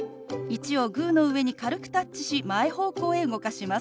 「１」をグーの上に軽くタッチし前方向へ動かします。